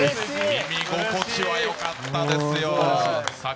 耳心地はよかったですよ。